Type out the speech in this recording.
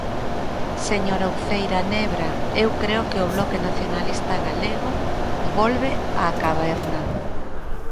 Señora Uceira Nebra, eu creo que o Bloque Nacionalista Galego volve á caverna.